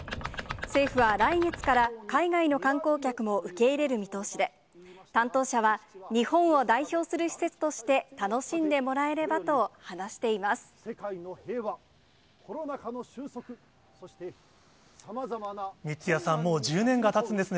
政府は来月から、海外の観光客も受け入れる見通しで、担当者は日本を代表する施設として楽しんでもらえればと話しています。